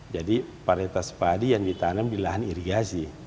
jadi varietas padi yang ditanam di lahan irigasi